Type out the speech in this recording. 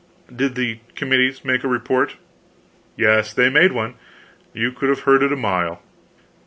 "Did the committee make a report?" "Yes, they made one. You could have heard it a mile."